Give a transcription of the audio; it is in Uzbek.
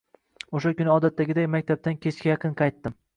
Oʻsha kuni ham odatdagiday maktabdan kechga yaqin qaytdim.